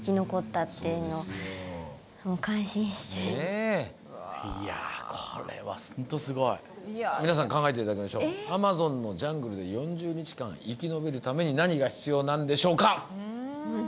えいやこれはホントすごい皆さんに考えていただきましょうアマゾンのジャングルで４０日間生き延びるために何が必要なんでしょうか？